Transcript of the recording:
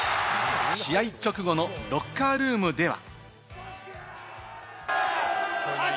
試合直後のロッカールームでは。